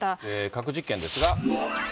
核実験ですが。